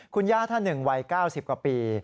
คุณย่าท่านหนึ่งวัย๙๐กว่าปี